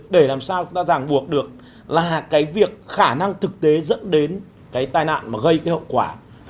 để làm sao chúng ta giảng buộc được là cái việc khả năng thực tế dẫn đến cái tai nạn mà gây cái hậu quả